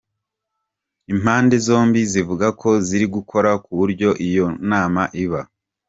Impande zombi zivuga ko ziri gukora ku buryo iyo nama iba.